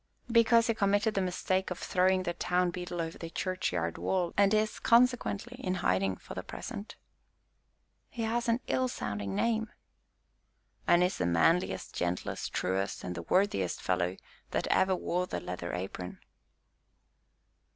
"Because he committed the mistake of throwing the town Beadle over the churchyard wall, and is, consequently, in hiding, for the present." "He has an ill sounding name." "And is the manliest, gentlest, truest, and worthiest fellow that ever wore the leather apron."